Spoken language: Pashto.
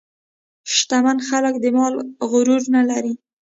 شتمن خلک د مال غرور نه لري.